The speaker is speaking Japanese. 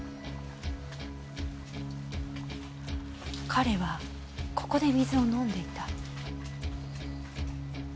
彼はここで水を飲んでいた。